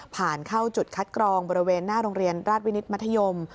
ผ่านเข้าจุดคัดกรองบริเวณหน้าโรงเรียนราชวินิตมัธยม